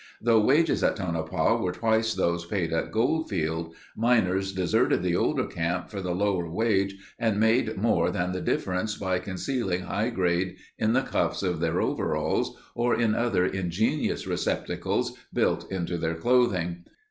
Though wages at Tonopah were twice those paid at Goldfield, miners deserted the older camp for the lower wage and made more than the difference by concealing high grade in the cuffs of their overalls or in other ingenious receptacles built into their clothing.